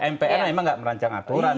mpr memang tidak merancang aturan